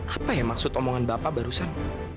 apa ya maksud omongan bapak barusan